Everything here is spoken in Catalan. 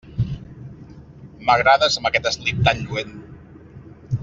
M'agrades amb aquest eslip tan lluent.